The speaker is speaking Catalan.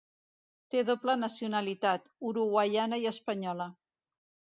Té doble nacionalitat: uruguaiana i espanyola.